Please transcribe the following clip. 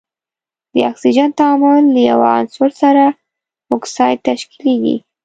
د اکسیجن تعامل له یو عنصر سره اکساید تشکیلیږي.